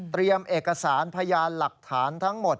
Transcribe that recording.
เตรียมเอกสารพยาหกฐานทั้งหมด